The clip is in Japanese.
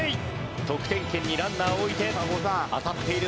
得点圏にランナーを置いて当たっている松本剛。